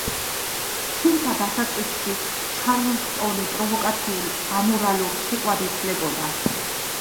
თუმცა დასაწყისში ჩარლსტონი პროვოკაციულ, ამორალურ ცეკვად ითვლებოდა.